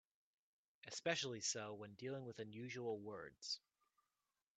Especially so when dealing with unusual words.